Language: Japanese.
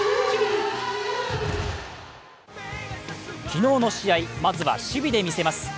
昨日の試合、まずは守備で見せます。